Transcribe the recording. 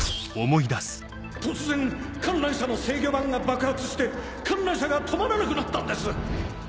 突然観覧車の制御盤が爆発して観覧車が止まらなくなったんです！